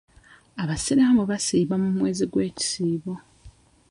Abasiraamu basiiba mu mwezi gw'ekisiibo.